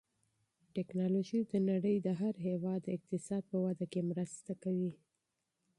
تکنالوژي د نړۍ د هر هېواد د اقتصاد په وده کې مرسته کوي.